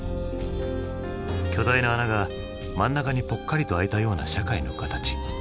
巨大な穴が真ん中にぽっかりとあいたような社会の形。